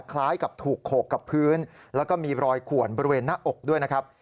คล้ายกับถูกโขกกับพื้นแล้วก็มีรอยขวนบริเวณหน้าอกด้วยนะครับ